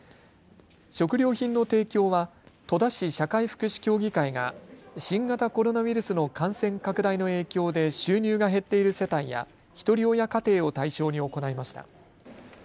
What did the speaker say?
食料品の提供は戸田市社会福祉協議会が新型コロナウイルスの感染拡大の影響で収入が減っている世帯やひとり親家庭を対象に行いました。